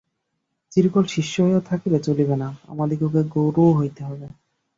চিরকাল শিষ্য হইয়া থাকিলে চলিবে না, আমাদিগকে গুরুও হইতে হইবে।